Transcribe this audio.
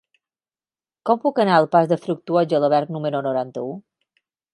Com puc anar al pas de Fructuós Gelabert número noranta-u?